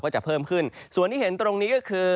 จะเพิ่มขึ้นส่วนที่เห็นตรงนี้ก็คือ